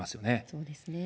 そうですね。